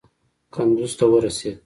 کندوز ته ورسېد.